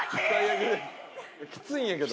きついんやけど。